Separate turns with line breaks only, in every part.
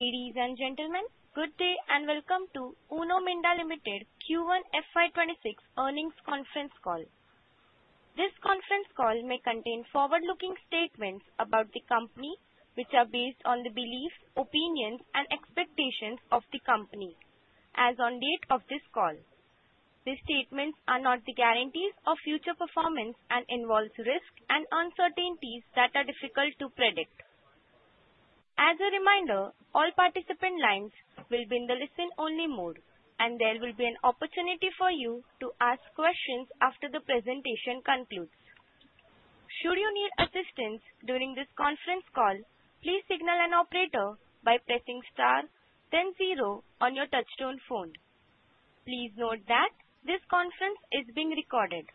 Ladies and gentlemen, good day and welcome to Uno Minda Limited Q1 FY26 Earnings Conference Call. This conference call may contain forward-looking statements about the company, which are based on the beliefs, opinions, and expectations of the company as on date of this call. These statements are not the guarantees of future performance and involve risks and uncertainties that are difficult to predict. As a reminder, all participant lines will be in the listen-only mode, and there will be an opportunity for you to ask questions after the presentation concludes. Should you need assistance during this conference call, please signal an operator by pressing star then zero on your touchtone phone. Please note that this conference is being recorded.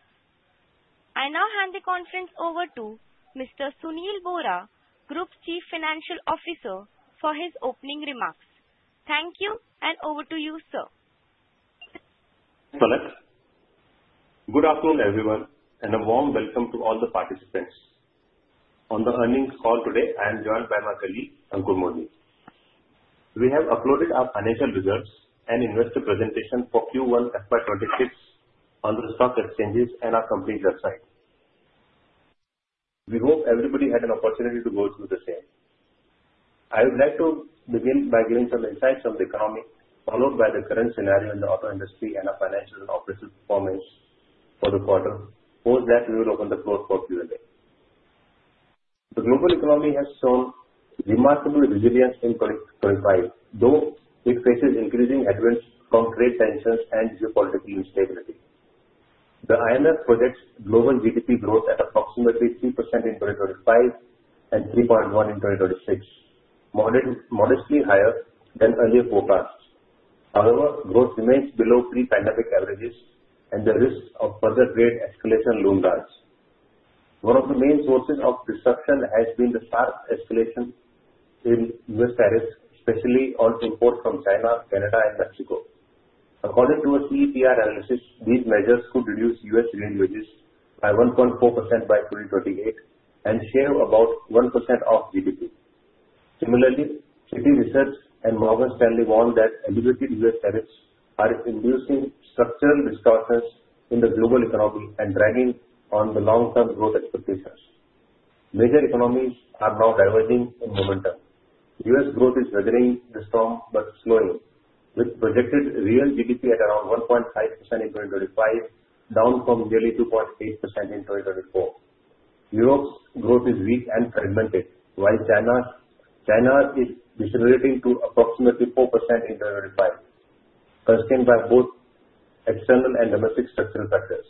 I now hand the conference over to Mr. Sunil Bohra, Group Chief Financial Officer, for his opening remarks. Thank you, and over to you, sir.
Good afternoon, everyone, and a warm welcome to all the participants. On the earnings call today, I am joined by my colleague, Ankur Modi. We have uploaded our financial results and investor presentation for Q1 FY26 on the stock exchanges and our company's website. We hope everybody had an opportunity to go through the same. I would like to begin by giving some insights on the economy, followed by the current scenario in the auto industry and our financial and operational performance for the quarter, post that we will open the floor for Q&A. The global economy has shown remarkable resilience in 2025, though it faces increasing headwinds from trade tensions and geopolitical instability. The IMF projects global GDP growth at approximately 3% in 2025 and 3.1% in 2026, modestly higher than earlier forecasts. However, growth remains below pre-pandemic averages, and there are risks of further trade escalation loom large. One of the main sources of disruption has been the sharp escalation in U.S. tariffs, especially on imports from China, Canada, and Mexico. According to a CEPR analysis, these measures could reduce U.S. real wages by 1.4% by 2028 and shave about 1% off GDP. Similarly, Citi Research and Morgan Stanley warn that elevated U.S. tariffs are inducing structural distortions in the global economy and dragging on the long-term growth expectations. Major economies are now diverging in momentum. U.S. growth is weathering the storm but slowing, with projected real GDP at around 1.5% in 2025, down from nearly 2.8% in 2024. Europe's growth is weak and fragmented, while China is decelerating to approximately 4% in 2025, constrained by both external and domestic structural factors.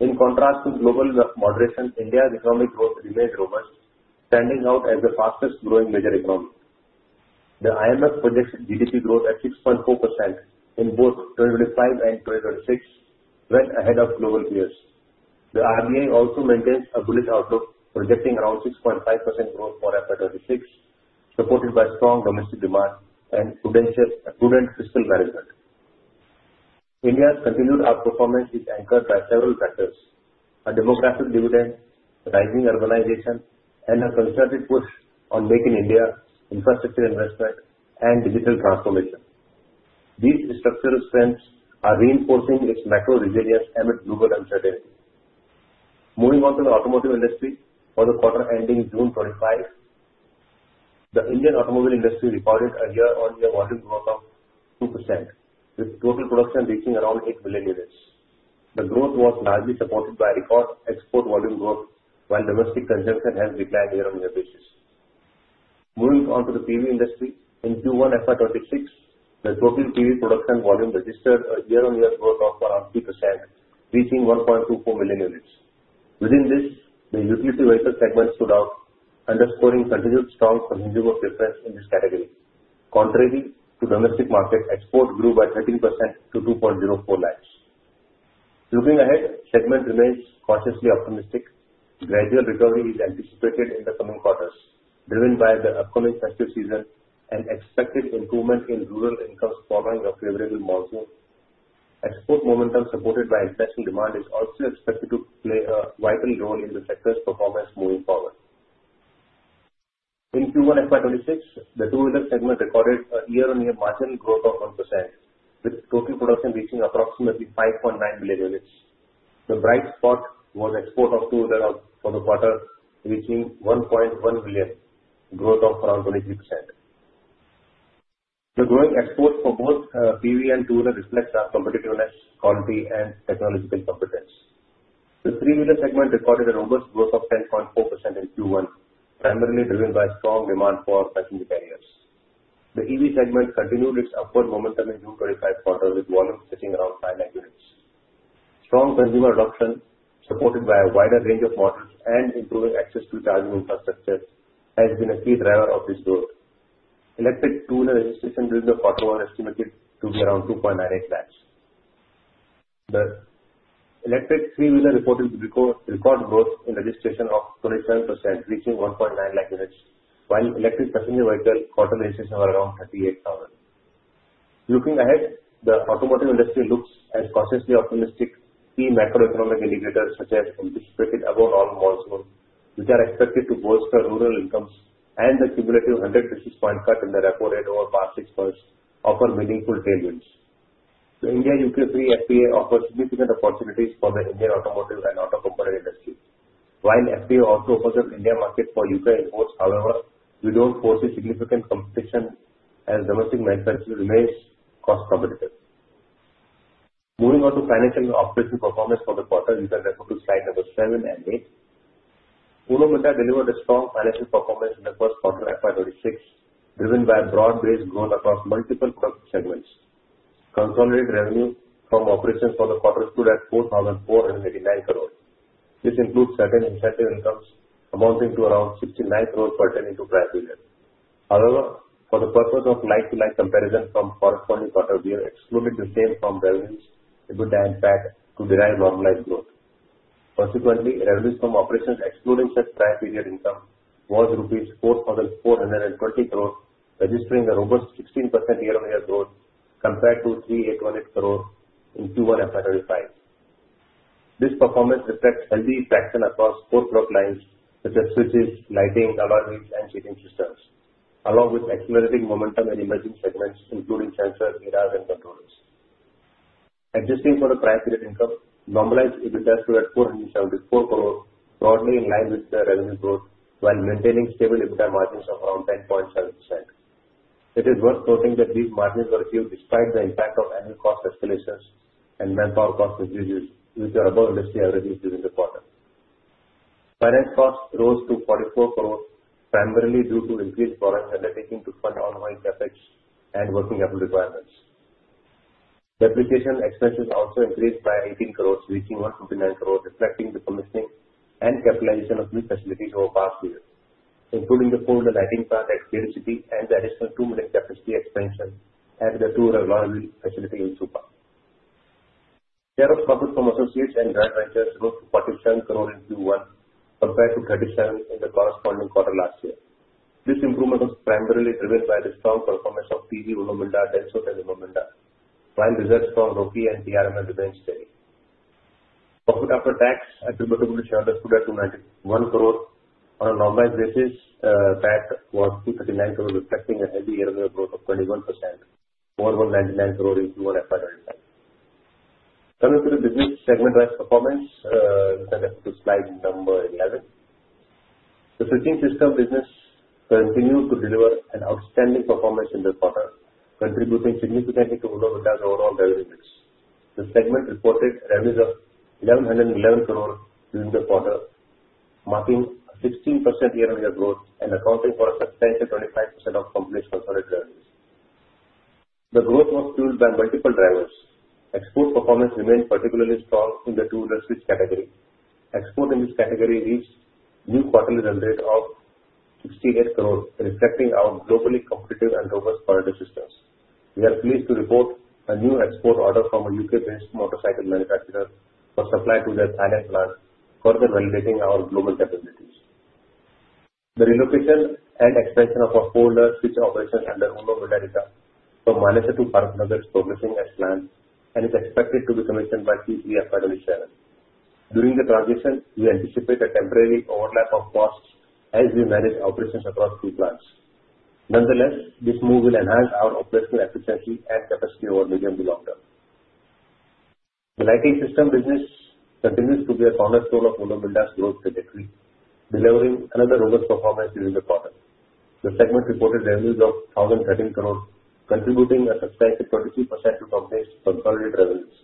In contrast to global moderation, India's economic growth remains robust, standing out as the fastest-growing major economy. The IMF projects GDP growth at 6.4% in both 2025 and 2026, well ahead of global peers. The RBI also maintains a bullish outlook, projecting around 6.5% growth for FY26, supported by strong domestic demand and prudent fiscal management. India's continued outperformance is anchored by several factors: a demographic dividend, rising urbanization, and a concerted push on Make in India infrastructure investment and digital transformation. These structural strengths are reinforcing its macro resilience amid global uncertainty. Moving on to the automotive industry, for the quarter ending June 2025, the Indian automobile industry recorded a year-on-year volume growth of 2%, with total production reaching around eight million units. The growth was largely supported by record export volume growth, while domestic consumption has declined year-on-year basis. Moving on to the PV industry, in Q1 FY26, the total PV production volume registered a year-on-year growth of around 3%, reaching 1.24 million units. Within this, the utility vehicle segment stood out, underscoring continued strong consumer preference in this category. Contrary to domestic market, export grew by 13% to 2.04 lakhs. Looking ahead, the segment remains cautiously optimistic. Gradual recovery is anticipated in the coming quarters, driven by the upcoming festive season and expected improvement in rural incomes following a favorable monsoon. Export momentum supported by international demand is also expected to play a vital role in the sector's performance moving forward. In Q1 FY26, the two-wheeler segment recorded a year-on-year margin growth of 1%, with total production reaching approximately 5.9 million units. The bright spot was export of two-wheelers for the quarter, reaching 1.1 million, growth of around 23%. The growing exports for both PV and two-wheeler reflects our competitiveness, quality, and technological competence. The three-wheeler segment recorded a robust growth of 10.4% in Q1, primarily driven by strong demand for passenger carriers. The EV segment continued its upward momentum in June 25 quarter, with volumes sitting around 5 lakhs units. Strong consumer adoption, supported by a wider range of models and improving access to charging infrastructure, has been a key driver of this growth. Electric two-wheeler registration during the quarter was estimated to be around 2.98 lakhs. The electric three-wheeler reported record growth in registration of 27%, reaching 1.9 lakhs units, while electric passenger vehicle quarter registrations were around 38,000. Looking ahead, the automotive industry looks cautiously optimistic. Key macroeconomic indicators such as anticipated above normal monsoon, which are expected to bolster rural incomes, and the cumulative 100 basis points cut in the repo rate over past six months offer meaningful tailwinds. The India-U.K. Free Trade Agreement offers significant opportunities for the Indian automotive and auto component industry, while FTA also opens up the India market for U.K. imports. However, we don't foresee significant competition as domestic manufacturers remain cost competitive. Moving on to financial and operational performance for the quarter, you can refer to slide numbers 7 and 8. Uno Minda delivered a strong financial performance in the first quarter FY26, driven by broad-based growth across multiple product segments. Consolidated revenue from operations for the quarter stood at 4,489 crore. This includes certain incentive incomes amounting to around 69 crore pertaining to the prior period. However, for the purpose of line-to-line comparison from corresponding quarters, we have excluded the same from revenues due to impact to derive normalized growth. Consequently, revenues from operations excluding such prior period income was rupees 4,420 crore, registering a robust 16% year-on-year growth compared to 3,818 crore in Q1 FY25. This performance reflects healthy traction across four product lines such as switches, lighting, acoustics, and casting systems, along with accelerating momentum in emerging segments including sensors, mirrors, and controllers. Adjusting for the prior period income, normalized EBITDA stood at 474 crore, broadly in line with the revenue growth while maintaining stable EBITDA margins of around 10.7%. It is worth noting that these margins were achieved despite the impact of annual cost escalations and manpower cost increases, which are above industry averages during the quarter. Finance costs rose to 44 crore, primarily due to increased borrowing undertaken to fund ongoing CAPEX and working capital requirements. Depreciation expenses also increased by 18 crore, reaching 159 crore, reflecting the commissioning and capitalization of new facilities over the past year, including the full lighting plant at Khed City and the additional 2 million capacity expansion at the two-wheeler facilities in Supa. Share of profit from associates and joint ventures rose to 47 crore in Q1 compared to 37 crore in the corresponding quarter last year. This improvement was primarily driven by the strong performance of TG Uno Minda and Uno Minda, while results from Roki and TRMN remained steady. Profit after tax attributable to shareholders stood at 291 crore. On a normalized basis, that was 239 crore, reflecting a healthy year-on-year growth of 21% over 199 crore in Q1 FY25. Coming to the business segment-wise performance, you can refer to slide number 11. The switching system business continued to deliver an outstanding performance in the quarter, contributing significantly to Uno Minda's overall revenue mix. The segment reported revenues of 1,111 crore during the quarter, marking a 16% year-on-year growth and accounting for a substantial 25% of company's consolidated revenues. The growth was fueled by multiple drivers. Export performance remained particularly strong in the two-wheeler switch category. Export in this category reached new quarterly run rate of 68 crore, reflecting our globally competitive and robust switch systems. We are pleased to report a new export order from a U.K.-based motorcycle manufacturer for supply to their France plant, further validating our global capabilities. The relocation and expansion of a four-wheeler switch operation under Mindarika from Manesar to Farukhnagar is progressing as planned and is expected to be commissioned by Q3 FY27. During the transition, we anticipate a temporary overlap of costs as we manage operations across two plants. Nonetheless, this move will enhance our operational efficiency and capacity over medium to long term. The lighting system business continues to be a cornerstone of Uno Minda's growth trajectory, delivering another robust performance during the quarter. The segment reported revenues of 1,013 crore, contributing a substantial 23% to the company's consolidated revenues.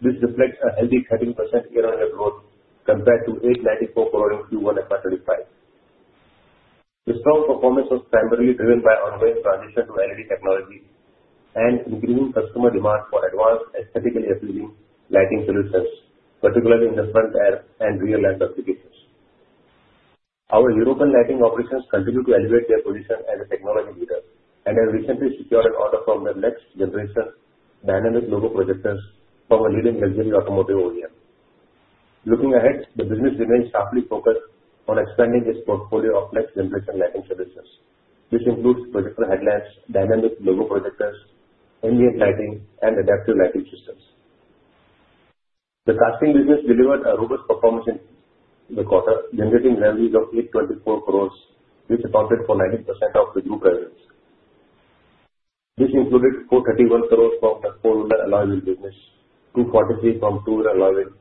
This reflects a healthy 13% year-on-year growth compared to 894 crore in Q1 FY25. The strong performance was primarily driven by ongoing transition to LED technology and increasing customer demand for advanced aesthetically appealing lighting solutions, particularly in the front and rear lamp applications. Our European lighting operations continue to elevate their position as a technology leader and have recently secured an order from their next-generation dynamic logo projectors from a leading luxury automotive OEM. Looking ahead, the business remains sharply focused on expanding its portfolio of next-generation lighting solutions, which includes projector headlamps, dynamic logo projectors, ambient lighting, and adaptive lighting systems. The casting business delivered a robust performance in the quarter, generating revenues of 824 crore, which accounted for 19% of the group revenues. This included 431 crore from the four-wheeler alloy wheel business, 243 crore from two-wheeler alloy wheel,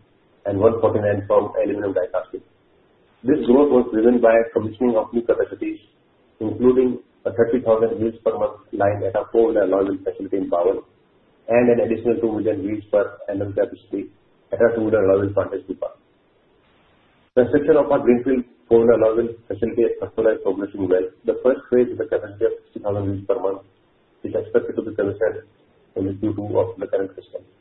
and 149 crore from aluminum die casting. This growth was driven by commissioning of new capacities, including a 30,000 wheels-per-month line at a four-wheeler alloy wheel facility in Bawal, and an additional 2 million wheels-per-annum capacity at a two-wheeler alloy wheel plant in Supa. Construction of a greenfield four-wheeler alloy wheel facility at Kharkhoda is progressing well. The first phase with a capacity of 60,000 wheels per month is expected to be commissioned in Q2 of the current fiscal year.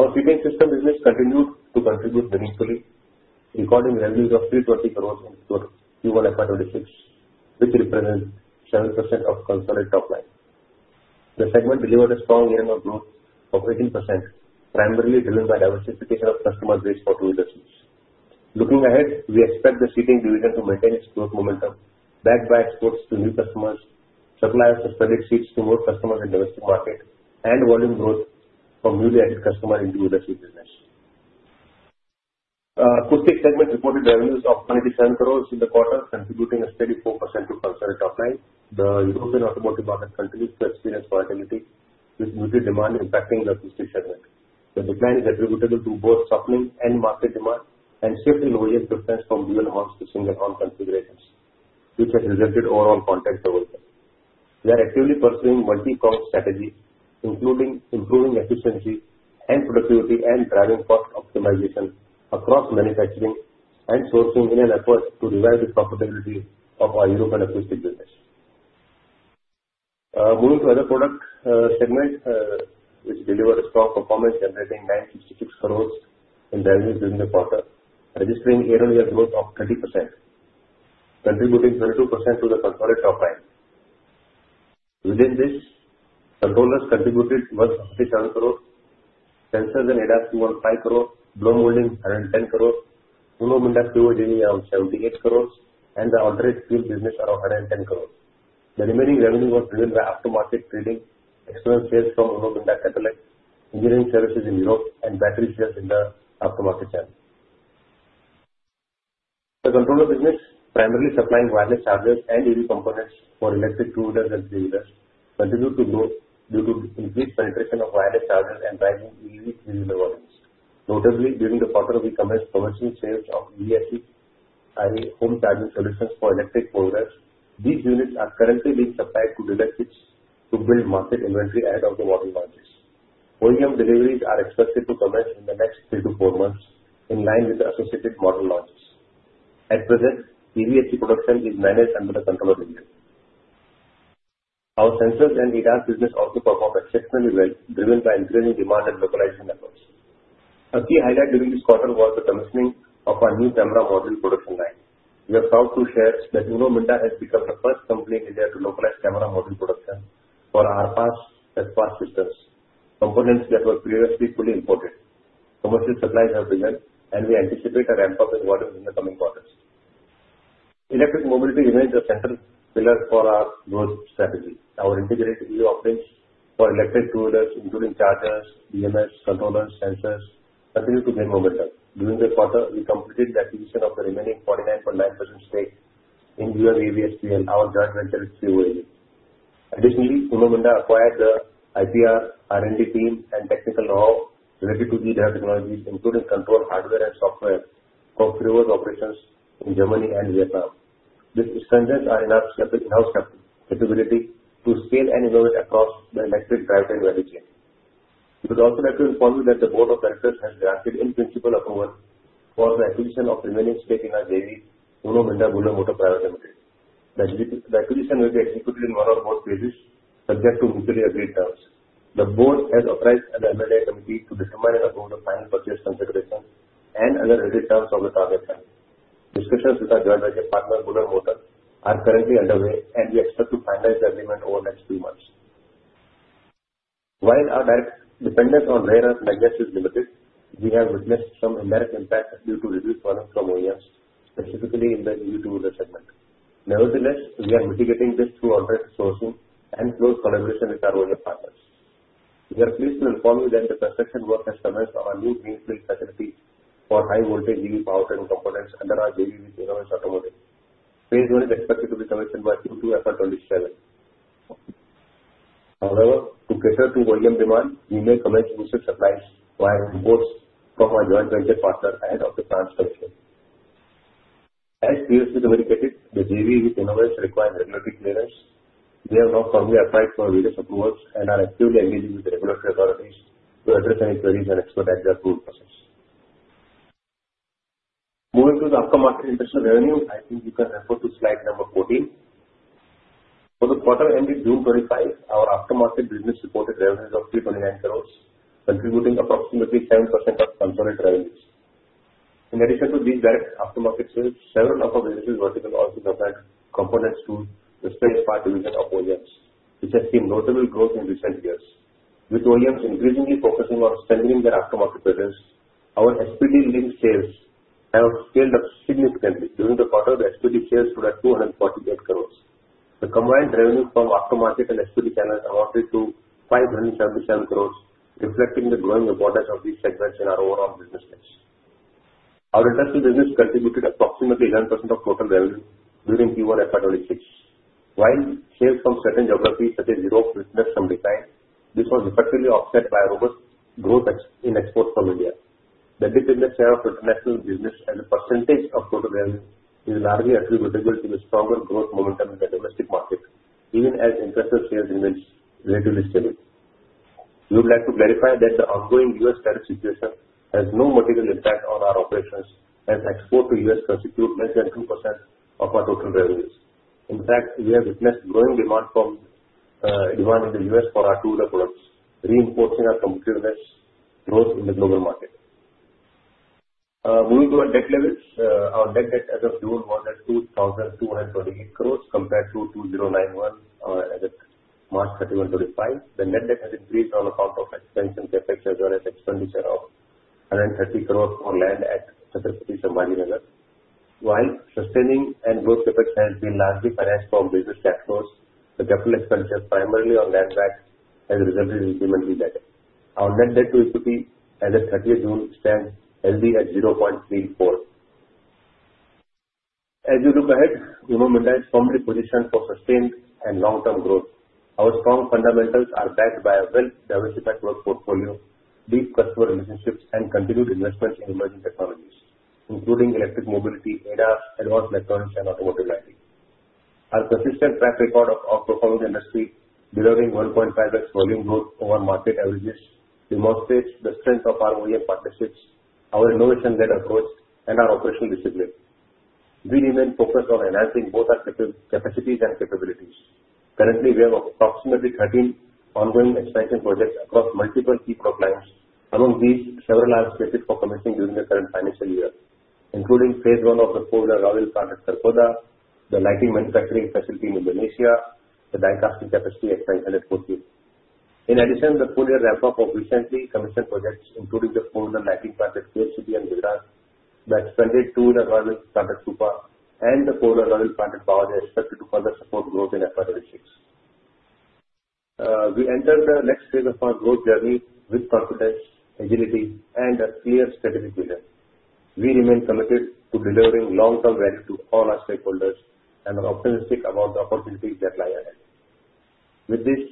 Our seating system business continued to contribute meaningfully, recording revenues of 320 crore in Q1 FY26, which represents 7% of consolidated top line. The segment delivered a strong year-on-year growth of 18%, primarily driven by diversification of customer base for two-wheeler seats. Looking ahead, we expect the seating division to maintain its growth momentum, backed by exports to new customers, supply of suspended seats to more customers in the domestic market, and volume growth from newly added customers into the seat business. Acoustic segment reported revenues of 187 crore in the quarter, contributing a steady 4% to consolidated top line. The European automotive market continues to experience volatility, with muted demand impacting the acoustic segment. The decline is attributable to both softening end-market demand and shifting OEM preference from dual-horn to single-horn configurations, which has resulted in overall content per vehicle. We are actively pursuing multi-cost strategies, including improving efficiency and productivity and driving cost optimization across manufacturing and sourcing in an effort to revive the profitability of our European acoustic business. Moving to other product segment, which delivered a strong performance, generating 966 crore in revenues during the quarter, registering year-on-year growth of 30%, contributing 22% to the consolidated top line. Within this, controllers contributed INR 147 crore, sensors and ADAS 215 crore, blow molding 110 crore, Uno Minda FRIWO JV around 78 crore, and the alternate fuel business around 110 crore. The remaining revenue was driven by aftermarket trading, external sales from Uno Minda Katolec, engineering services in Europe, and battery sales in the aftermarket channel. The controller business, primarily supplying wireless chargers and EV components for electric two-wheelers and three-wheelers, continued to grow due to increased penetration of wireless chargers and rising EV fuel volumes. Notably, during the quarter, we commenced commercial sales of EVSE, i.e., home charging solutions for electric four-wheelers. These units are currently being supplied to dealer kits to build market inventory ahead of the model launches. OEM deliveries are expected to commence in the next three-to-four months, in line with the associated model launches. At present, EVSE production is managed under the controller division. Our sensors and ADAS business also performed exceptionally well, driven by increasing demand and localization efforts. A key highlight during this quarter was the commissioning of our new camera module production line. We are proud to share that Uno Minda has become the first company in India to localize camera module production for RPAS, SPAS systems, components that were previously fully imported. Commercial supplies have begun, and we anticipate a ramp-up in volume in the coming quarters. Electric mobility remains a central pillar for our growth strategy. Our integrated EV offerings for electric two-wheelers, including chargers, BMS, controllers, sensors, continue to gain momentum. During the quarter, we completed the acquisition of the remaining 49.9% stake in EVSPL, our joint venture with FRIWO. Additionally, Uno Minda acquired the IPR R&D team and technical know-how related to e-Drive technologies, including control hardware and software for FRIWO operations in Germany and Vietnam. This strengthens our in-house capital capability to scale and innovate across the electric drivetrain value chain. We would also like to inform you that the Board of Directors has granted in-principle approval for the acquisition of remaining stake in our JV, Uno Minda Bühler Motor Private Limited. The acquisition will be executed in one or both phases, subject to mutually agreed terms. The Board has authorized an M&A committee to determine and approve the final purchase considerations and other agreed terms of the target fund. Discussions with our joint venture partner, Bühler Motor, are currently underway, and we expect to finalize the agreement over the next few months. While our direct dependence on rare earth magnets is limited, we have witnessed some indirect impact due to reduced volume from OEMs, specifically in the EV two-wheeler segment. Nevertheless, we are mitigating this through alternative sourcing and close collaboration with our OEM partners. We are pleased to inform you that the construction work has commenced on our new greenfield facility for high-voltage EV powertrain components under our JV with Inovance Automotive. Phase I is expected to be commissioned by Q2 FY27. However, to cater to OEM demand, we may commence usage supplies via imports from our joint venture partner ahead of the plant's commissioning. As previously communicated, the JV with Uno Minda requires regulatory clearance. We have now formally applied for various approvals and are actively engaging with the regulatory authorities to address any queries and expedite their approval process. Moving to the aftermarket industrial revenue, I think you can refer to slide number 14. For the quarter ended June 25, our aftermarket business reported revenues of 329 crore, contributing approximately 7% of consolidated revenues. In addition to these direct aftermarket sales, several of our business verticals also provide components to the spare parts division of OEMs, which has seen notable growth in recent years. With OEMs increasingly focusing on strengthening their aftermarket presence, our SPD-linked sales have scaled up significantly. During the quarter, the SPD sales stood at 248 crore. The combined revenue from aftermarket and SPD channels amounted to 577 crore, reflecting the growing importance of these segments in our overall business mix. Our industrial business contributed approximately 11% of total revenue during Q1 FY26. While sales from certain geographies, such as Europe, witnessed some decline, this was effectively offset by robust growth in exports from India. The B2B business share of international business and the percentage of total revenue is largely attributable to the stronger growth momentum in the domestic market, even as international sales remains relatively steady. We would like to clarify that the ongoing U.S. tariff situation has no material impact on our operations, as export to U.S. constitutes less than 2% of our total revenues. In fact, we have witnessed growing demand from Iran and the U.S. for our two-wheeler products, reinforcing our competitiveness growth in the global market. Moving to our debt levels, our net debt as of June was at 2,228 crore compared to 2,091 as of March 31, 2025. The net debt has increased on account of expansion CAPEX as well as expenditure of INR 130 crore for land at Chhatrapati Sambhajinagar. While sustaining and growth CAPEX has been largely financed from business cash flows, the capital expenditure primarily on land bank has resulted in incremental debt. Our net debt to equity as of 30 June stands healthy at 0.34. As we look ahead, Uno Minda is firmly positioned for sustained and long-term growth. Our strong fundamentals are backed by a well-diversified growth portfolio, deep customer relationships, and continued investments in emerging technologies, including electric mobility, ADAS, advanced electronics, and automotive lighting. Our consistent track record of outperforming the industry, delivering 1.5x volume growth over market averages, demonstrates the strength of our OEM partnerships, our innovation-led approach, and our operational discipline. We remain focused on enhancing both our capacities and capabilities. Currently, we have approximately 13 ongoing expansion projects across multiple key product lines. Among these, several are slated for commissioning during the current financial year, including Phase I of the four-wheeler alloy wheel plant at Kharkhoda, the lighting manufacturing facility in Indonesia, and the die casting capacity expansion at Hosur. In addition, the full year ramp-up of recently commissioned projects, including the four-wheeler lighting plant at Khed City and Manesar, the expanded two-wheeler alloy wheel plant at Supa, and the four-wheeler alloy wheel plant at Bawal, are expected to further support growth in FY26. We enter the next phase of our growth journey with confidence, agility, and a clear strategic vision. We remain committed to delivering long-term value to all our stakeholders and are optimistic about the opportunities that lie ahead. With this,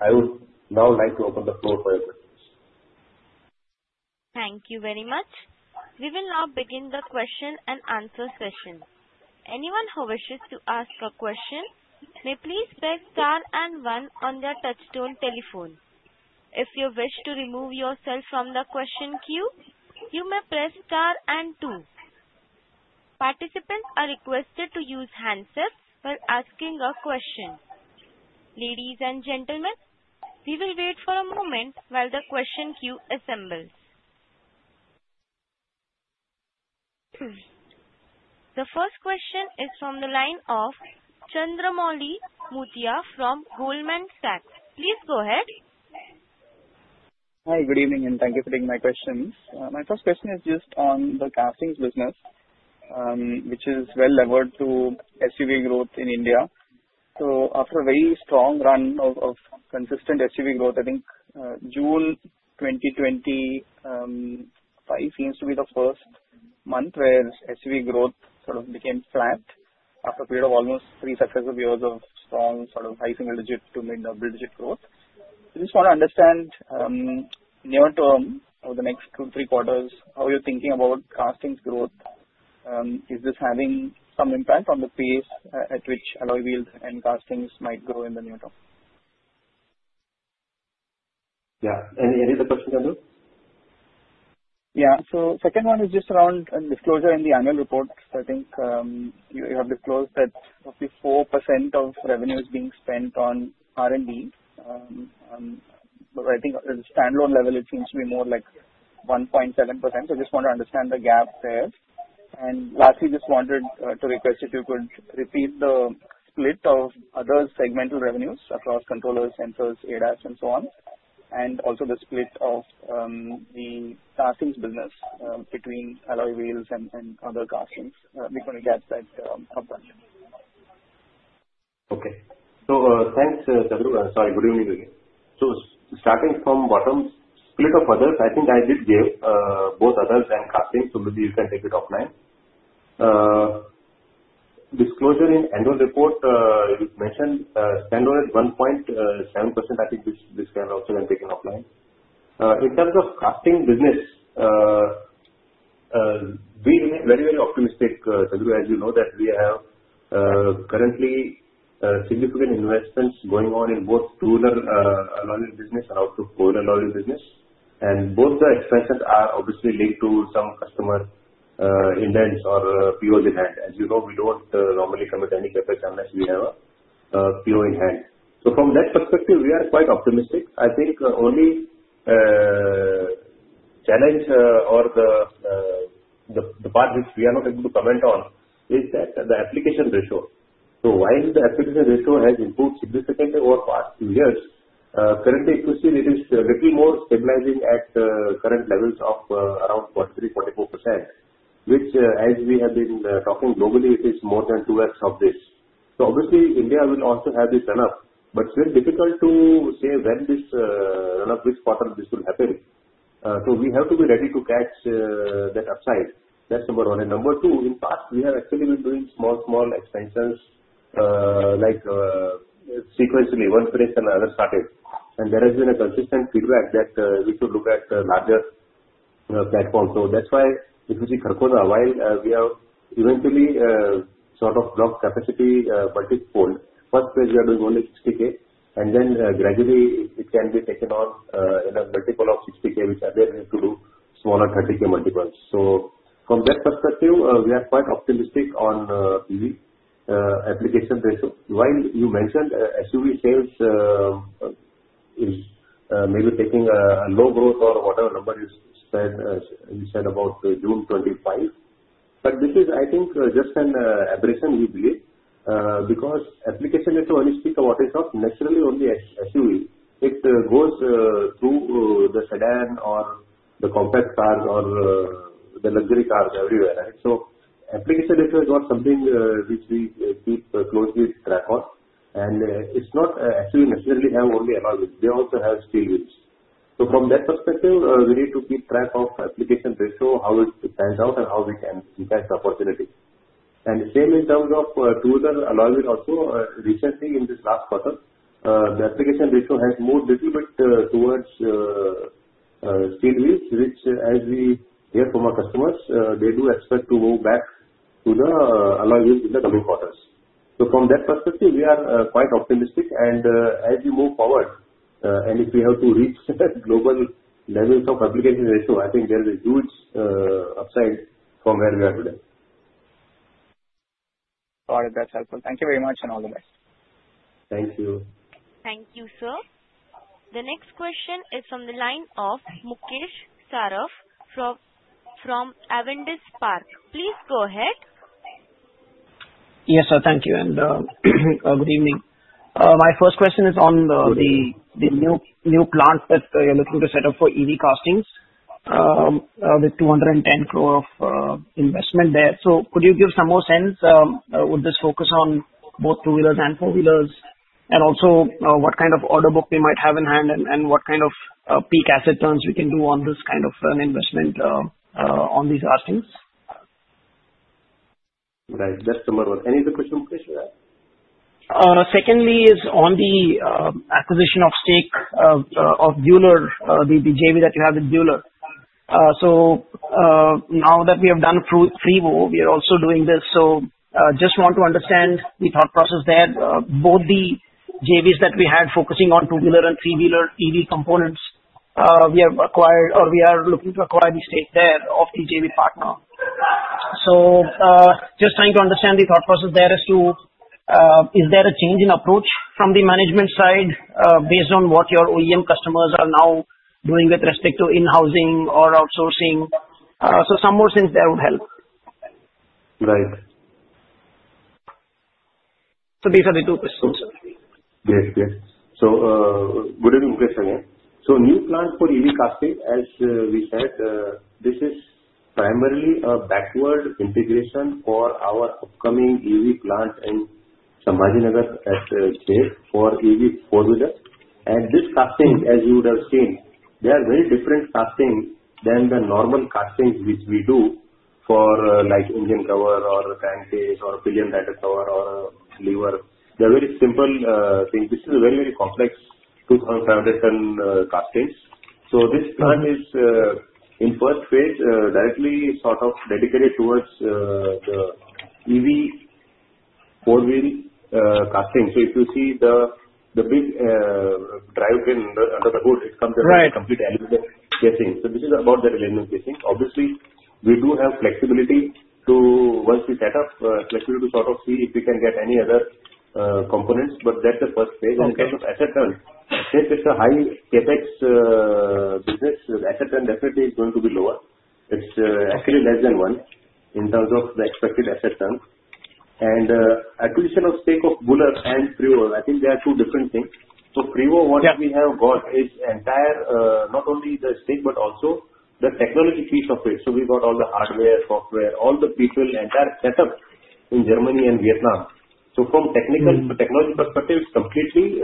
I would now like to open the floor for your questions.
Thank you very much. We will now begin the question and answer session. Anyone who wishes to ask a question may please press star and one on their touch-tone telephone. If you wish to remove yourself from the question queue, you may press star and two. Participants are requested to use handsets while asking a question. Ladies and gentlemen, we will wait for a moment while the question queue assembles. The first question is from the line of Chandramouli Muthiah from Goldman Sachs. Please go ahead.
Hi, good evening, and thank you for taking my questions. My first question is just on the castings business, which is well levered to SUV growth in India. So, after a very strong run of consistent SUV growth, I think June 2025 seems to be the first month where SUV growth sort of became flat after a period of almost three successive years of strong sort of high single-digit to mid-digit growth. I just want to understand, near term over the next two to three quarters, how you're thinking about castings growth. Is this having some impact on the pace at which alloy wheels and castings might grow in the near term?
Yeah. Any other questions, Chandu? Yeah.
So, the second one is just around disclosure in the annual report. I think you have disclosed that roughly 4% of revenue is being spent on R&D. But I think at the standalone level, it seems to be more like 1.7%. I just want to understand the gap there. And lastly, I just wanted to request that you could repeat the split of other segmental revenues across controllers, sensors, ADAS, and so on, and also the split of the castings business between alloy wheels and other castings. We can get that up.
Okay. So, thanks, Chandu. Sorry, good evening to you. So, starting from bottom, split of others, I think I did give both others and castings, so maybe you can take it offline. Disclosure in annual report, you mentioned standalone at 1.7%. I think this can also be taken offline. In terms of casting business, we remain very, very optimistic, Chandu, as you know, that we have currently significant investments going on in both two-wheeler alloy wheel business and four-wheeler alloy wheel business. And both the expenses are obviously linked to some customer intents or POs in hand. As you know, we don't normally commit any CAPEX unless we have a PO in hand. So, from that perspective, we are quite optimistic. I think the only challenge or the part which we are not able to comment on is that the application ratio. So, while the application ratio has improved significantly over the past few years, currently, it is little more stabilizing at current levels of around 43%-44%, which, as we have been talking globally, it is more than 2x of this. Obviously, India will also have this run-up, but it's very difficult to say when this run-up, which quarter this will happen. We have to be ready to catch that upside. That's number one. Number two, in the past, we have actually been doing small, small expansions like sequentially, one phase and another started. There has been a consistent feedback that we should look at larger platforms. That's why it was in Kharkhoda. While we have eventually sort of blocked capacity multi-fold, first phase we are doing only 60K, and then gradually it can be taken on in a multiple of 60K, which again needs to do smaller 30K multiples. From that perspective, we are quite optimistic on the application ratio. While you mentioned SUV sales is maybe taking a low growth or whatever number you said about June 25, but this is, I think, just an aberration, we believe, because application ratio only speaks of what is of naturally only SUV. It goes through the sedan or the compact cars or the luxury cars everywhere, right? So, application ratio is not something which we keep closely track on, and it's not actually necessarily have only alloy wheels. They also have steel wheels. So, from that perspective, we need to keep track of application ratio, how it stands out, and how we can see the opportunity. And same in terms of two-wheeler alloy wheel also, recently in this last quarter, the application ratio has moved a little bit towards steel wheels, which, as we hear from our customers, they do expect to move back to the alloy wheels in the coming quarters. So, from that perspective, we are quite optimistic, and as we move forward, and if we have to reach global levels of application ratio, I think there is a huge upside from where we are today.
All right. That's helpful. Thank you very much and all the best.
Thank you.
Thank you, sir. The next question is from the line of Mukesh Saraf from Avendus Spark. Please go ahead.
Yes, sir. Thank you. And good evening. My first question is on the new plant that you're looking to set up for EV castings with 210 crore of investment there. Could you give some more sense? Would this focus on both two-wheelers and four-wheelers? And also, what kind of order book we might have in hand, and what kind of peak asset turns we can do on this kind of investment on these castings?
Right. That's number one. Any other question, Mukesh, you have?
Secondly is on the acquisition of stake of JV that you have with Bühler. So, now that we have done FRIWO, we are also doing this. So, just want to understand the thought process there. Both the JVs that we had focusing on two-wheeler and three-wheeler EV components, we have acquired or we are looking to acquire the stake there of the JV partner. So, just trying to understand the thought process there as to is there a change in approach from the management side based on what your OEM customers are now doing with respect to in-housing or outsourcing? So, some more sense there would help.
Right.
So, these are the two questions.
Yes. Yes. So, good evening, Mukesh. So, new plant for EV casting, as we said, this is primarily a backward integration for our upcoming EV plant in Chhatrapati Sambhajinagar at GF for EV four-wheelers. And this casting, as you would have seen, they are very different castings than the normal castings which we do for like engine cover or crank case or pillion rider cover or lever. They're very simple things. This is a very, very complex 2,500-ton castings. So, this plant is in first phase directly sort of dedicated towards the EV four-wheel casting. So, if you see the big drive train under the hood, it comes with complete aluminum casing. So, this is about that aluminum casing. Obviously, we do have flexibility to, once we set up, flexibility to sort of see if we can get any other components, but that's the first phase. In terms of asset turn, since it's a high CAPEX business, the asset turn definitely is going to be lower. It's actually less than one in terms of the expected asset turn. And acquisition of stake of Bühler and FRIWO, I think they are two different things. So, FRIWO, what we have got is entire not only the stake but also the technology piece of it. So, we got all the hardware, software, all the people, entire setup in Germany and Vietnam. So, from technical technology perspective, it's completely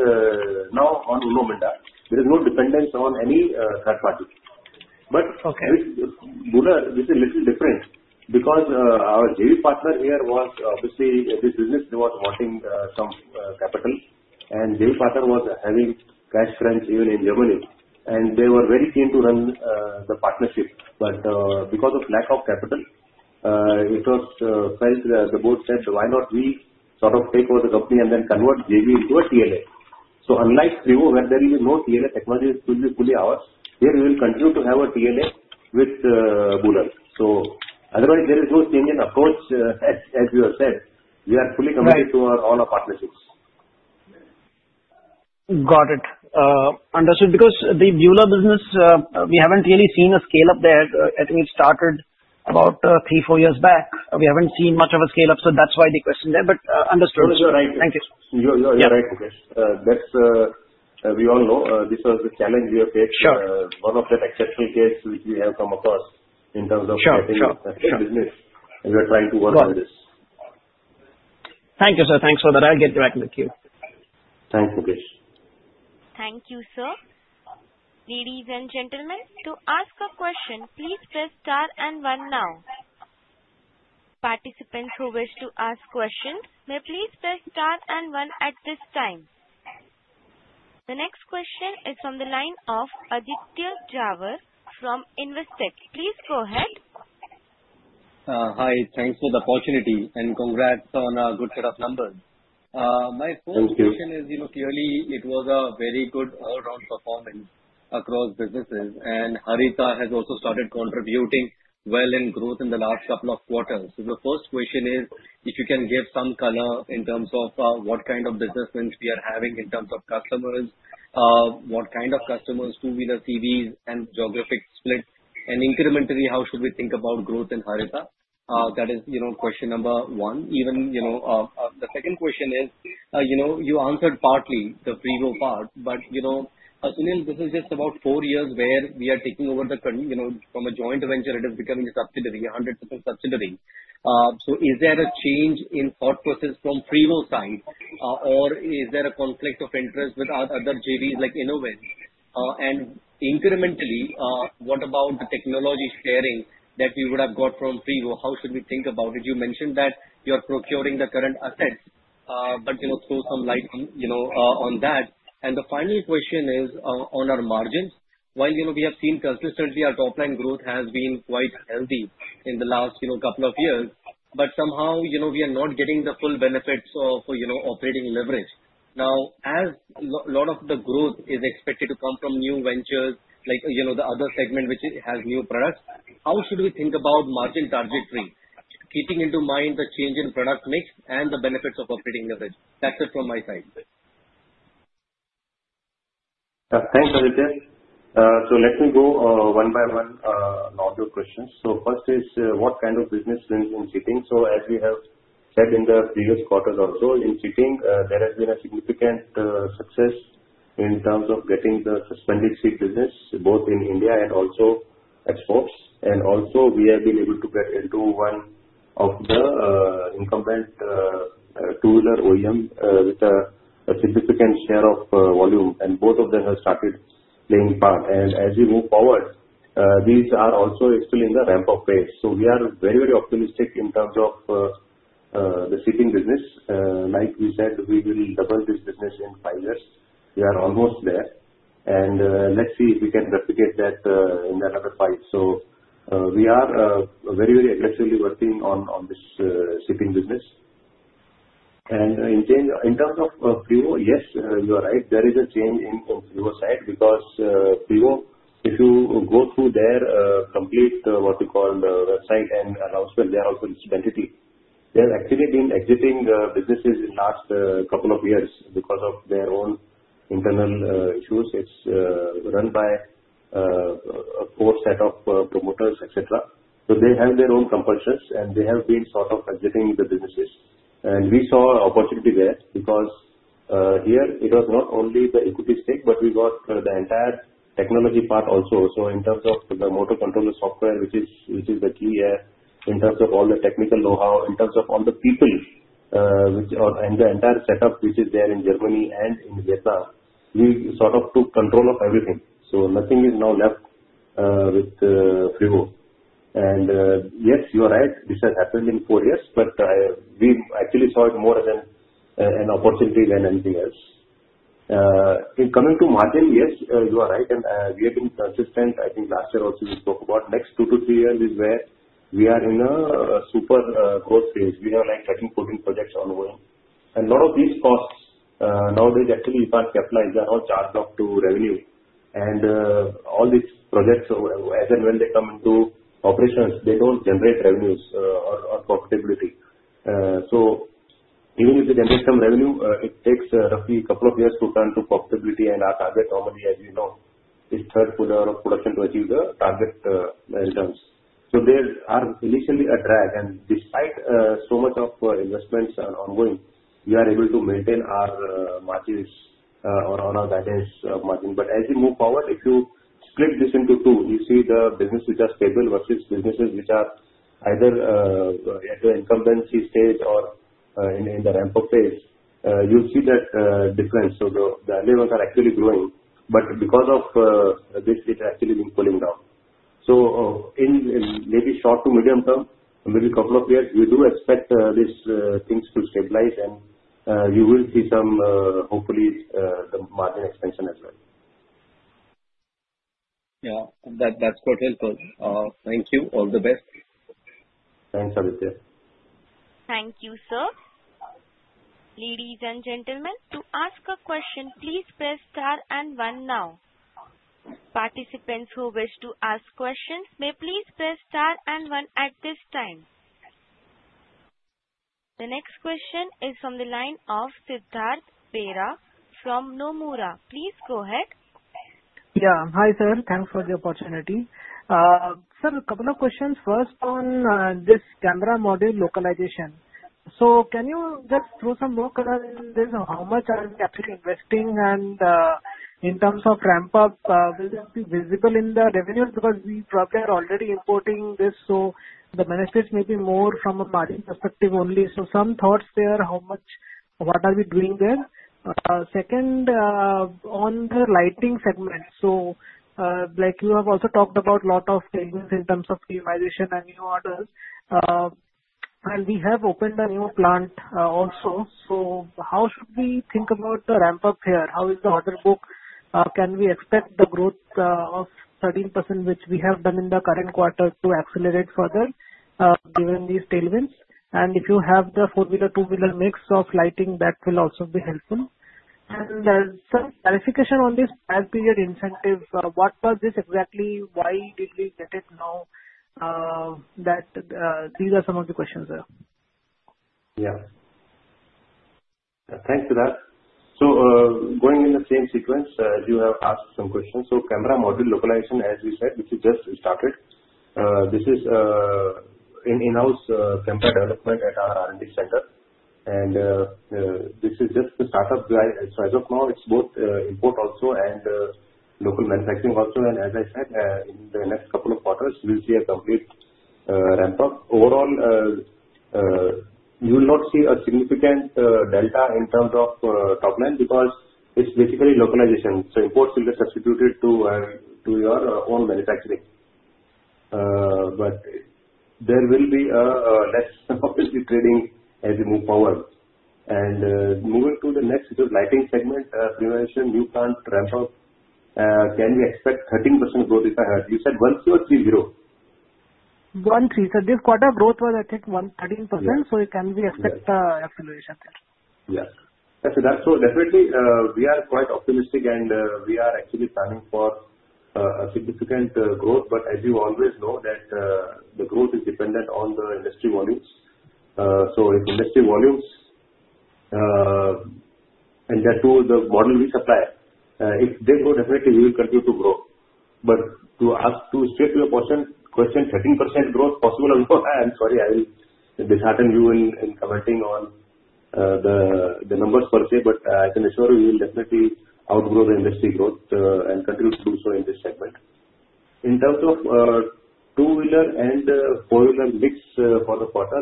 now on Uno Minda. There is no dependence on any third party, but with Bühler, this is a little different because our JV partner here was obviously this business. They were wanting some capital, and JV partner was having cash crunch even in Germany, and they were very keen to run the partnership. But because of lack of capital, it was felt the board said, "Why not we sort of take over the company and then convert JV into a TLA?" Unlike FRIWO, where there is no TLA, technology will be fully ours. Here, we will continue to have a TLA with Bühler. Otherwise, there is no change in approach, as you have said. We are fully committed to all our partnerships.
Got it. Understood. Because the two-wheeler business, we haven't really seen a scale-up there. I think it started about three, four years back. We haven't seen much of a scale-up, so that's why the question there. But understood.
You're right.
Thank you.
You're right, Mukesh. That's we all know. This was the challenge we have faced, one of the exceptional cases which we have come across in terms of getting a business. We are trying to work on this.
Thank you, sir. Thanks for that. I'll get back with you.
Thanks, Mukesh.
Thank you, sir. Ladies and gentlemen, to ask a question, please press star and one now. Participants who wish to ask questions, may please press star and one at this time. The next question is from the line of Aditya Jhawar from Investec. Please go ahead.
Hi. Thanks for the opportunity and congrats on a good set of numbers. My first question is, clearly, it was a very good all-round performance across businesses, and Harita has also started contributing well in growth in the last couple of quarters. So, the first question is, if you can give some color in terms of what kind of business mix we are having in terms of customers, what kind of customers, two-wheeler CVs and geographic split, and incrementally, how should we think about growth in Harita? That is question number one. And the second question is, you answered partly the FRIWO part, but Sunil, this is just about four years where we are taking over from a joint venture, it is becoming a subsidiary, 100% subsidiary. So, is there a change in thought process from FRIWO side, or is there a conflict of interest with other JVs like Inovance? Incrementally, what about the technology sharing that we would have got from FRIWO? How should we think about it? You mentioned that you're procuring the current assets, but throw some light on that. And the final question is on our margins. While we have seen consistently, our top-line growth has been quite healthy in the last couple of years, but somehow we are not getting the full benefits of operating leverage. Now, as a lot of the growth is expected to come from new ventures, like the other segment which has new products, how should we think about margin targetry, keeping into mind the change in product mix and the benefits of operating leverage? That's it from my side.
Thanks, Aditya. Let me go one by one now to your questions. First is what kind of business means in seating? As we have said in the previous quarters also, in seating, there has been a significant success in terms of getting the suspended seat business, both in India and also exports. And also, we have been able to get into one of the incumbent two-wheeler OEMs with a significant share of volume, and both of them have started playing part. And as we move forward, these are also still in the ramp-up phase. We are very, very optimistic in terms of the seating business. Like we said, we will double this business in five years. We are almost there, and let's see if we can replicate that in the another five. We are very, very aggressively working on this seating business. And in terms of FRIWO, yes, you are right. There is a change in FRIWO side because FRIWO, if you go through their complete what we call website and announcement, they are also suspended seats. They have actually been exiting businesses in the last couple of years because of their own internal issues. It's run by a core set of promoters, etc. So, they have their own compulsions, and they have been sort of exiting the businesses. And we saw an opportunity there because here, it was not only the equity stake, but we got the entire technology part also. So, in terms of the motor controller software, which is the key here, in terms of all the technical know-how, in terms of all the people, and the entire setup which is there in Germany and in Vietnam, we sort of took control of everything. So, nothing is now left with FRIWO. And yes, you are right. This has happened in four years, but we actually saw it more as an opportunity than anything else. In coming to margin, yes, you are right, and we have been consistent. I think last year also we spoke about next two to three years is where we are in a super growth phase. We have like 13, 14 projects ongoing, and a lot of these costs nowadays, actually, if I capitalize, they are all charged up to revenue. And all these projects, as and when they come into operations, they don't generate revenues or profitability. So, even if they generate some revenue, it takes roughly a couple of years to turn to profitability, and our target normally, as you know, is third quarter of production to achieve the target returns. So, there are initially a drag, and despite so much of investments ongoing, we are able to maintain our margins or our guidance margin. But as we move forward, if you split this into two, you see the business which are stable versus businesses which are either at the incumbency stage or in the ramp-up phase, you'll see that difference. So, the early ones are actually growing, but because of this, it has actually been pulling down. So, in maybe short to medium term, maybe a couple of years, we do expect these things to stabilize, and you will see some, hopefully, the margin expansion as well.
Yeah. That's quite helpful. Thank you. All the best.
Thanks, Aditya.
Thank you, sir. Ladies and gentlemen, to ask a question, please press star and one now. Participants who wish to ask questions, may please press star and one at this time. The next question is from the line of Siddhartha Bera from Nomura. Please go ahead.
Yeah. Hi, sir. Thanks for the opportunity. Sir, a couple of questions. First, on this camera module localization. So, can you just throw some more color on this? How much are we actually investing? And in terms of ramp-up, will this be visible in the revenues? Because we probably are already importing this, so the benefits may be more from a margin perspective only. So, some thoughts there. What are we doing there? Second, on the lighting segment. So, like you have also talked about a lot of things in terms of utilization and new orders. And we have opened a new plant also. So, how should we think about the ramp-up here? How is the order book? Can we expect the growth of 13% which we have done in the current quarter to accelerate further given these tailwinds? And if you have the four-wheeler, two-wheeler mix of lighting, that will also be helpful. And some clarification on this PLI incentive. What was this exactly? Why did we get it now? These are some of the questions, sir.
Yeah. Thanks for that. So, going in the same sequence, I do have to ask some questions. So, camera module localization, as we said, which has just started, this is an in-house camera development at our R&D center. And this is just the startup. As of now, it's both import also and local manufacturing also. And as I said, in the next couple of quarters, we'll see a complete ramp-up. Overall, you will not see a significant delta in terms of top line because it's basically localization. So, imports will be substituted to your own manufacturing. But there will be less, obviously, trading as we move forward. And moving to the next, which is lighting segment, FRIWO initial new plant ramp-up. Can we expect 13% growth? You said one three or three zero?
One three. So, this quarter growth was, I think, 13%. So, can we expect acceleration there?
Yeah. So, definitely, we are quite optimistic, and we are actually planning for a significant growth. But as you always know, the growth is dependent on the industry volumes. So, if industry volumes and that too the model we supply, if they go, definitely, we will continue to grow. But to answer straight to your question, 13% growth possible or not? I'm sorry, I will dishearten you in commenting on the numbers per se, but I can assure you we will definitely outgrow the industry growth and continue to do so in this segment. In terms of two-wheeler and four-wheeler mix for the quarter,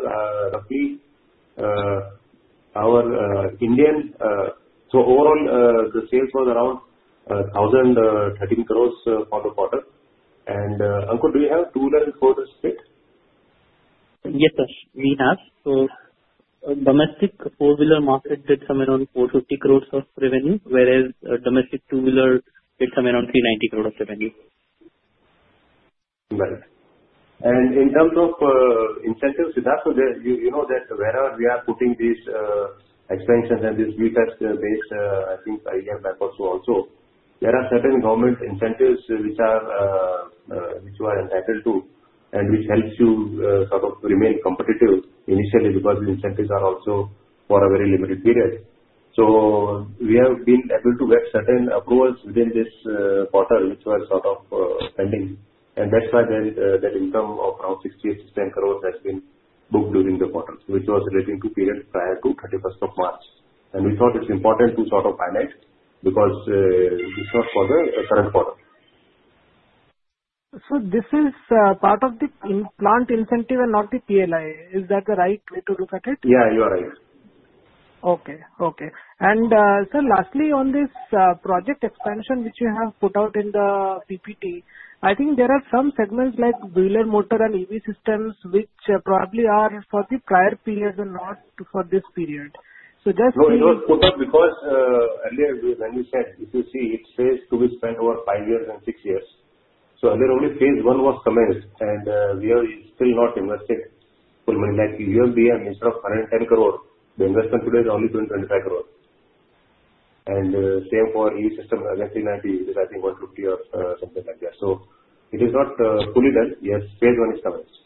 roughly our Indian. So, overall, the sales was around 1,013 crores for the quarter. And Ankur, do you have two-wheeler and four-wheeler split? Yes, sir. We have. So, domestic four-wheeler market did somewhere around 450 crores of revenue, whereas domestic two-wheeler did somewhere around 390 crores of revenue.
Got it. And in terms of incentives, Siddhartha, you know that wherever we are putting these expansions and based on these ideas and so on. So, there are certain government incentives which you are entitled to and which helps you sort of remain competitive initially because the incentives are also for a very limited period. We have been able to get certain approvals within this quarter, which was sort of pending. That's why then that income of around 68-70 crores has been booked during the quarter, which was relating to period prior to 31st of March. We thought it's important to sort of highlight because it's not for the current quarter.
This is part of the plant incentive and not the PLI? Is that the right way to look at it?
Yeah, you are right.
Okay. Okay. Sir, lastly, on this project expansion which you have put out in the PPT, I think there are some segments like two-wheeler motor and EV systems, which probably are for the prior period and not for this period. Just.
No, it was put up because earlier, when you said, if you see, it says to be spent over five years and six years. So, earlier, only Phase I was commenced, and we are still not invested full money. Like UMBM is sort of 110 crore. The investment today is only 20-25 crores. And same for EV systems, 1,390, which is, I think, 150 or something like that. So, it is not fully done. Yes, Phase I is commenced.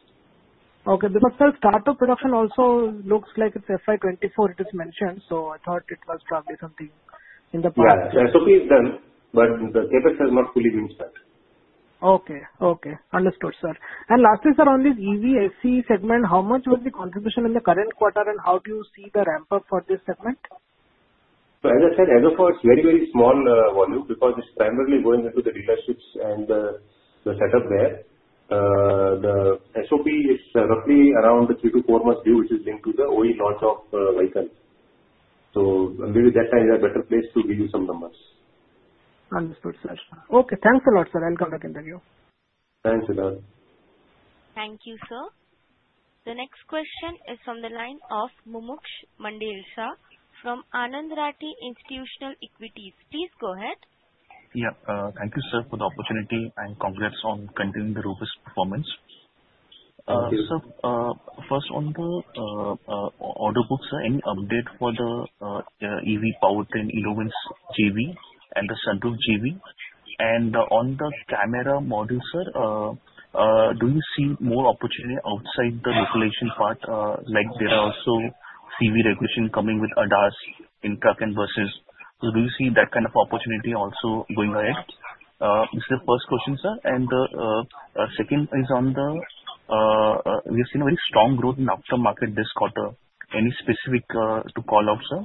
Okay. Because, sir, startup production also looks like it's FY24, it is mentioned. So, I thought it was probably something in the past.
Yeah. SOP is done, but the CAPEX has not fully been spent.
Okay. Okay. Understood, sir. And lastly, sir, on this EVSE segment, how much was the contribution in the current quarter, and how do you see the ramp-up for this segment?
So, as I said, as of now, it's very, very small volume because it's primarily going into the dealerships and the setup there. The SOP is roughly around three to four months view, which is linked to the OE launch of vehicles. So, maybe that time is a better place to give you some numbers.
Understood, sir. Okay. Thanks a lot, sir. I'll come back and tell you.
Thanks, Siddhartha. Thank you, sir. The next question is from the line of Mumuksh Mandlesha from Anand Rathi Institutional Equities. Please go ahead.
Yeah. Thank you, sir, for the opportunity. And congrats on continuing the robust performance. Thank you. Sir, first, on the order books, any update for the EV powertrain Inovance JV and the Sunroof JV? And on the camera module, sir, do you see more opportunity outside the localization part? Like there are also CV regulations coming with ADAS in trucks and buses. So, do you see that kind of opportunity also going ahead? This is the first question, sir. And the second is on that we've seen a very strong growth in the aftermarket this quarter. Any specifics to call out, sir?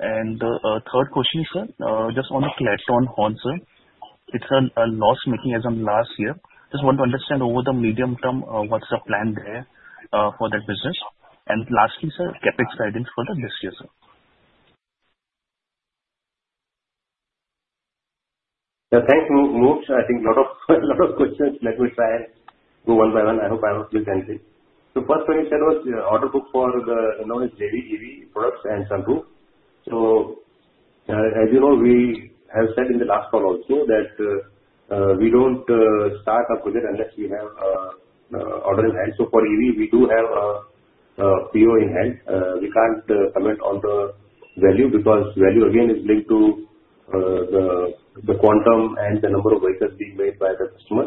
And the third question is, sir, just on the Clarton Horn, sir. It's loss-making as of last year. Just want to understand over the medium term, what's the plan there for that business? And lastly, sir, CAPEX guidance for this year, sir.
Thanks, Mumuksh. I think a lot of questions. Let me try and go one by one. I hope I will please answer. So, first question you said was order book for the known JVs, EV products and sunroof. As you know, we have said in the last call also that we don't start a project unless we have order in hand. For EV, we do have a PO in hand. We can't comment on the value because value, again, is linked to the quantum and the number of vehicles being made by the customer.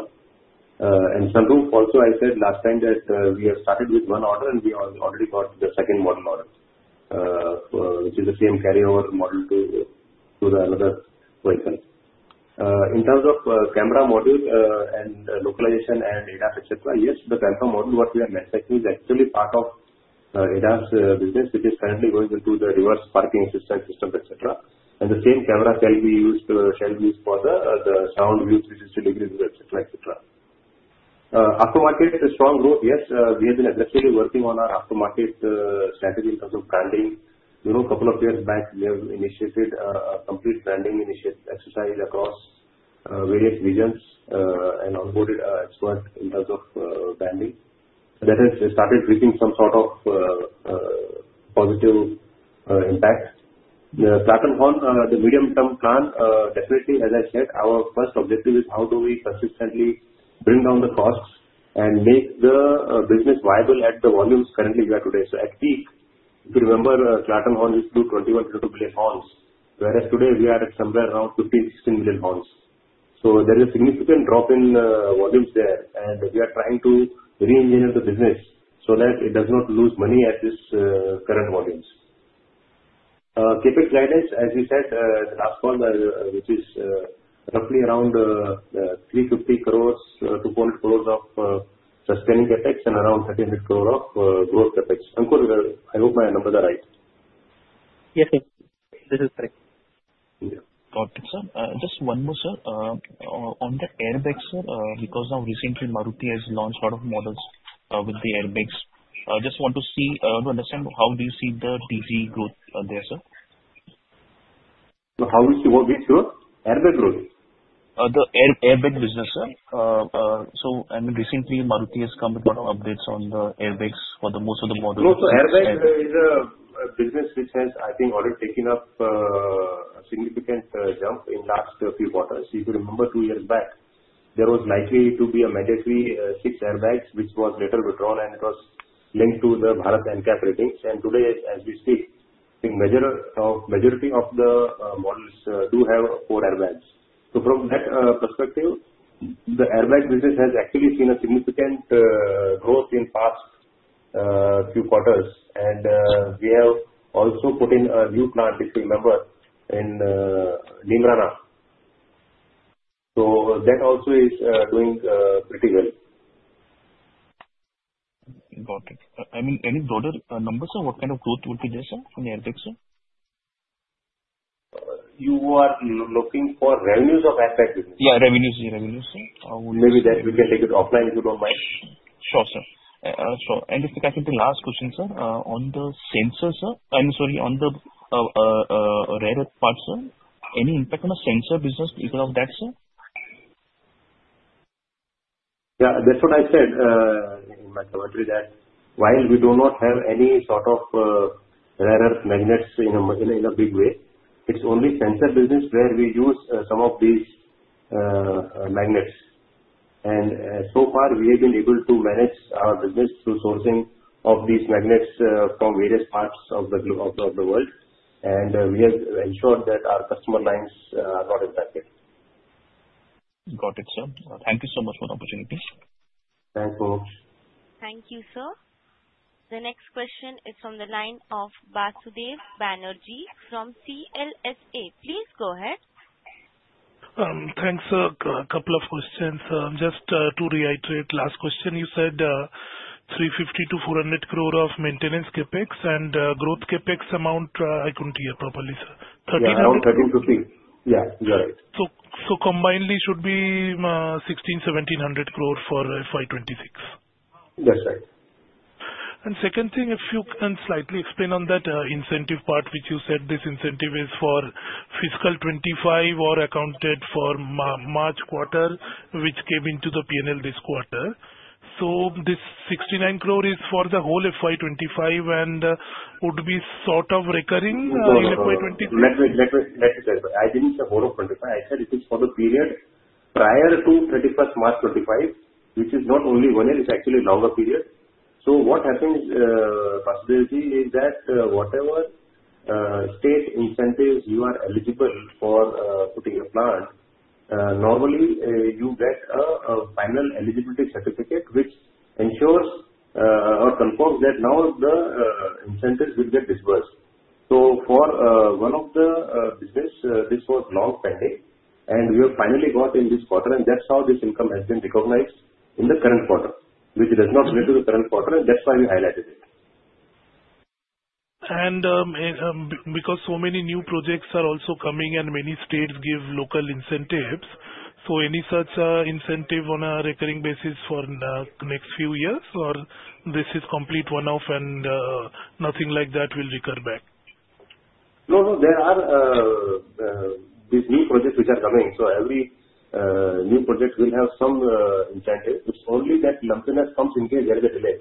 Sunroof, also, I said last time that we have started with one order, and we already got the second model order, which is the same carryover model to another vehicle. In terms of camera module and localization and ADAS, etc., yes, the camera module, what we are manufacturing, is actually part of ADAS business, which is currently going into the reverse parking assistance system, etc. The same camera shall be used for the surround view 360 degrees, etc., etc. Aftermarket strong growth, yes. We have been aggressively working on our aftermarket strategy in terms of branding. A couple of years back, we have initiated a complete branding exercise across various regions and onboarded our expert in terms of branding. That has started reaping some sort of positive impact. Clarton Horn, the medium-term plan, definitely, as I said, our first objective is how do we consistently bring down the costs and make the business viable at the volumes currently we are today. At peak, if you remember, Clarton Horn used to do 21-22 million horns, whereas today we are at somewhere around 15-16 million horns. There is a significant drop in volumes there, and we are trying to re-engineer the business so that it does not lose money at these current volumes. CAPEX guidance, as you said in the last call, which is roughly around 350 crore, 200 crore of sustaining CAPEX and around 1,300 crore of growth CAPEX. Ankur, I hope my numbers are right.
Yes, sir. This is correct.
Got it, sir. Just one more, sir. On the airbags, sir, because now recently, Maruti has launched a lot of models with the airbags. Just want to see, want to understand how do you see the growth there, sir?
How do you see what we see growth?
Airbag growth? The airbag business, sir. So, I mean, recently, Maruti has come with a lot of updates on the airbags for most of t
he models. No, so airbag is a business which has, I think, already taken up a significant jump in the last few quarters. If you remember two years back, there was likely to be a mandatory six airbags, which was later withdrawn, and it was linked to the Bharat NCAP ratings, and today, as we speak, I think majority of the models do have four airbags, so from that perspective, the airbag business has actually seen a significant growth in the past few quarters, and we have also put in a new plant, if you remember, in Neemrana, so that also is doing pretty well.
Got it. I mean, any broader numbers, sir? What kind of growth would be there, sir, on the airbags, sir?
You are looking for revenues of airbag business?
Yeah, revenues, revenues, sir.
Maybe that we can take it offline if you don't mind.
Sure, sir. Sure. And if you can answer the last question, sir, on the sensor, sir. I mean, sorry, on the rare earth part, sir. Any impact on the sensor business because of that, sir?
Yeah, that's what I said in my commentary that while we do not have any sort of rare earth magnets in a big way, it's only sensor business where we use some of these magnets. And so far, we have been able to manage our business through sourcing of these magnets from various parts of the world. And we have ensured that our customer lines are not impacted.
Got it, sir. Thank you so much for the opportunity.
Thanks, Mumuksh.
Thank you, sir. The next question is from the line of Basudeb Banerjee from CLSA. Please go ahead.
Thanks, sir. A couple of questions. Just to reiterate the last question, you said 350-400 crore of maintenance CAPEX and growth CAPEX amount. I couldn't hear properly, sir. 1,300?
Around 1,300 to 3. Yeah, you are right.
So, combinedly, it should be 1,600-1,700 crore for FY26?
That's right.
And second thing, if you can slightly explain on that incentive part, which you said this incentive is for fiscal 25 or accounted for March quarter, which came into the P&L this quarter. So, this 69 crore is for the whole FY25 and would be sort of recurring in FY26?
Let me clarify. I didn't say whole of 25. I said it is for the period prior to 31st March 2025, which is not only one year. It's actually a longer period. So, what happens, Basudebji, is that whatever state incentives you are eligible for putting a plant, normally you get a final eligibility certificate, which ensures or confirms that now the incentives will get disbursed. So, for one of the business, this was long pending, and we have finally got in this quarter, and that's how this income has been recognized in the current quarter, which does not relate to the current quarter, and that's why we highlighted it.
And because so many new projects are also coming and many states give local incentives, so any such incentive on a recurring basis for the next few years, or this is complete one-off and nothing like that will recur back?
No, no. There are these new projects which are coming. So, every new project will have some incentive, which only that lumpsiness comes in case there is a delay.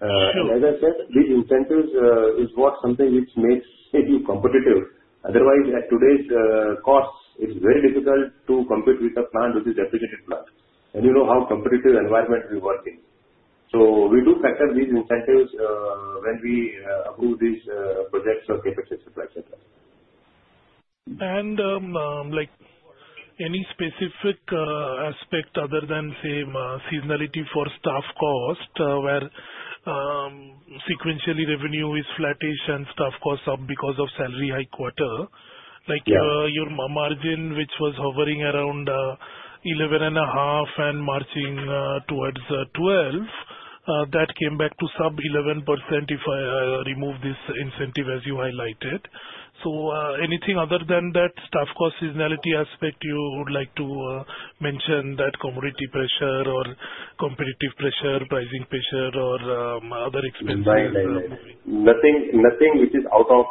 Sure.
And as I said, these incentives is what something which makes it competitive. Otherwise, at today's costs, it's very difficult to compete with a plant which is depreciated plant. And you know how competitive environment we work in. So, we do factor these incentives when we approve these projects or CAPEX, etc., etc.
And any specific aspect other than, say, seasonality for staff cost, where sequentially revenue is flattish and staff costs up because of salary high quarter? Like your margin, which was hovering around 11.5% and marching towards 12%, that came back to sub-11% if I remove this incentive as you highlighted. So, anything other than that staff cost seasonality aspect you would like to mention that commodity pressure or competitive pressure, pricing pressure, or other expenses?
Nothing which is out of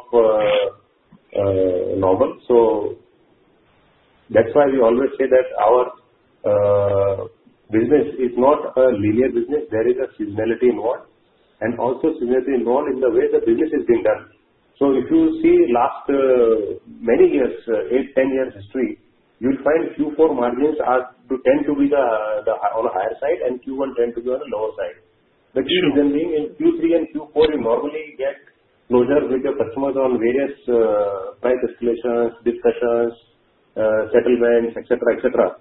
normal. So, that's why we always say that our business is not a linear business. There is a seasonality involved. And also, seasonality involved in the way the business is being done. So, if you see last many years, eight, 10 years history, you'll find Q4 margins tend to be on the higher side and Q1 tend to be on the lower side. The Q3 and Q4, you normally get closure with your customers on various price escalations, discussions, settlements, etc., etc.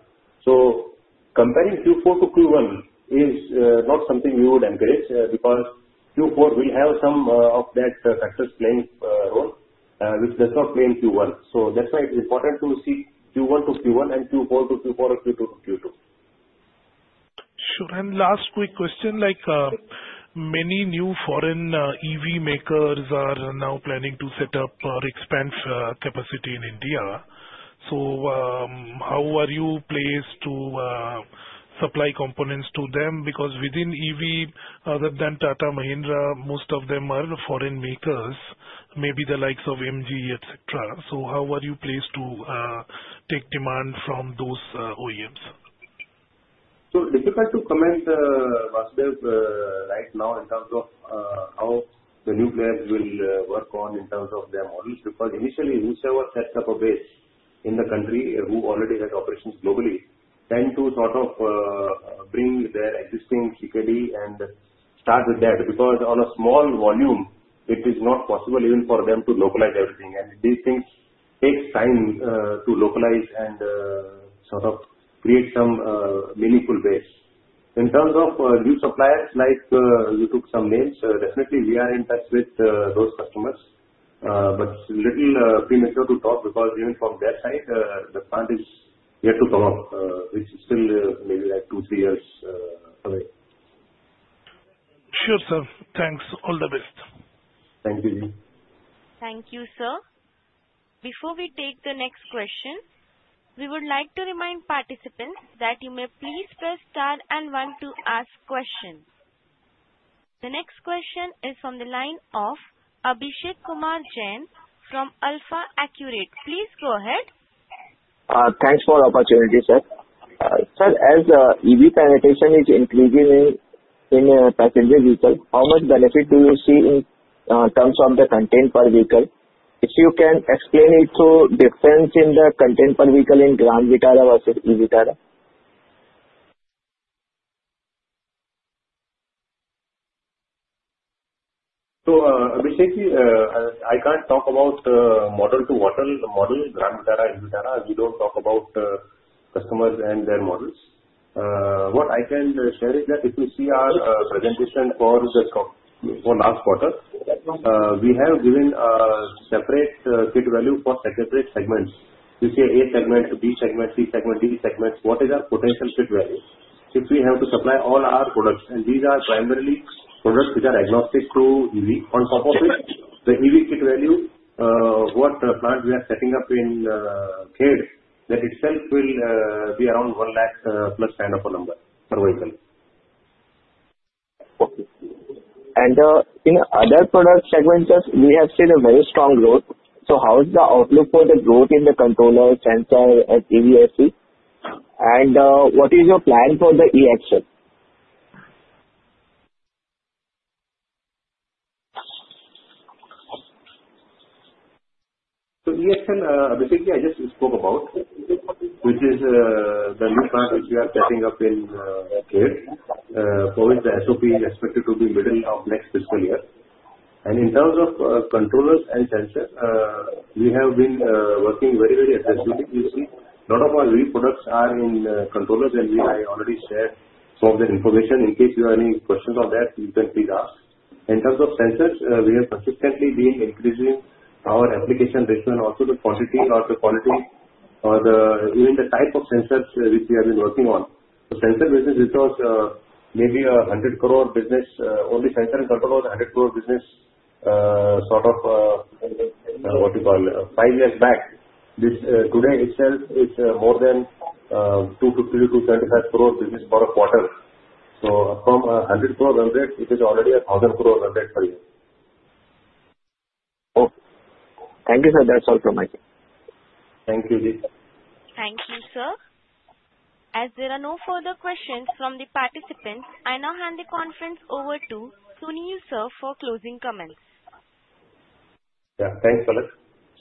So, comparing Q4 to Q1 is not something we would encourage because Q4 will have some of that factors playing a role, which does not play in Q1. So, that's why it's important to see Q1 to Q1 and Q4 to Q4 or Q2 to Q2.
Sure. And last quick question, like many new foreign EV makers are now planning to set up or expand capacity in India. So, how are you placed to supply components to them? Because within EV, other than Tata, Mahindra, most of them are foreign makers, maybe the likes of MG, etc. So, how are you placed to take demand from those OEMs?
So, difficult to comment, Basudeb, right now in terms of how the new players will work on in terms of their models. Because initially, whoever sets up a base in the country who already has operations globally tends to sort of bring their existing CKD and start with that. Because on a small volume, it is not possible even for them to localize everything. And these things take time to localize and sort of create some meaningful base. In terms of new suppliers, like you took some names, definitely we are in touch with those customers, but it's a little premature to talk because even from their side, the plant is yet to come up, which is still maybe like two, three years away.
Sure, sir. Thanks. All the best.
Thank you, Ji.
Thank you, sir. Before we take the next question, we would like to remind participants that you may please press star and one to ask questions. The next question is from the line of Abhishek Jain from AlfAccurate. Please go ahead.
Thanks for the opportunity, sir. Sir, as EV penetration is increasing in passenger vehicles, how much benefit do you see in terms of the content per vehicle? If you can explain it to difference in the content per vehicle in Grand Vitara versus e-Vitara.
Basically, I can't talk about model to model model, Grand Vitara, e-Vitara. We don't talk about customers and their models. What I can share is that if you see our presentation for last quarter, we have given a separate kit value for separate segments. You see A segment, B segment, C segment, D segments. What is our potential kit value if we have to supply all our products? And these are primarily products which are agnostic to EV. On top of it, the EV kit value, what plant we are setting up in Khed, that itself will be around 100,000 plus kind of a number per vehicle.
Okay. And in other product segments, we have seen a very strong growth. How is the outlook for the growth in the controller, sensor, and EVSE? And what is your plan for the e-Axle?
e-Axle, basically, I just spoke about, which is the new plant which we are setting up in Khed. Probably the SOP is expected to be middle of next fiscal year. And in terms of controllers and sensors, we have been working very, very aggressively. You see, a lot of our EV products are in controllers, and I already shared some of the information. In case you have any questions on that, you can please ask. In terms of sensors, we have consistently been increasing our application ratio and also the quantity or the quality or even the type of sensors which we have been working on. The sensor business, which was maybe 100 crore business, only sensor and control was 100 crore business sort of, what you call, five years back. Today, itself, it's more than 250-275 crore business per quarter. So, from 100 crore revenue, it is already a 1,000 crore revenue for you.
Okay. Thank you, sir. That's all from my side.
Thank you, Ji. Thank you, sir.
As there are no further questions from the participants, I now hand the conference over to Sunil sir for closing comments.
Yeah, thanks, Palak.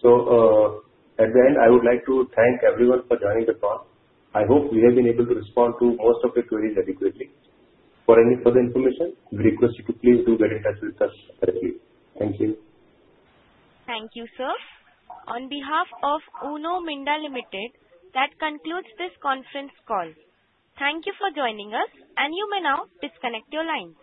So, at the end, I would like to thank everyone for joining the call. I hope we have been able to respond to most of your queries adequately. For any further information, we request you to please do get in touch with us directly. Thank you.
Thank you, sir. On behalf of Uno Minda Limited, that concludes this conference call. Thank you for joining us, and you may now disconnect your lines.